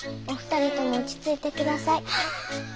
お二人とも落ち着いてください。